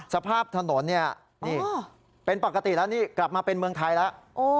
สภาพถนนเนี่ยนี่เป็นปกติแล้วนี่กลับมาเป็นเมืองไทยแล้ว